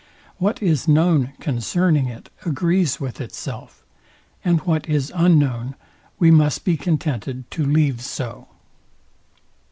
What is known concerning it, agrees with itself; and what is unknown, we must be contented to leave so.